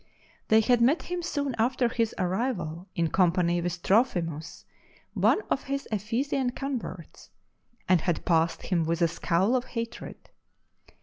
They had met him soon after his arrival in company with Trophimus, one of his Ephesian converts, and had passed him with a scowl of hatred.